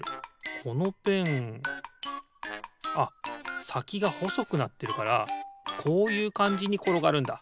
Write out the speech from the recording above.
このペンあっさきがほそくなってるからこういうかんじにころがるんだ。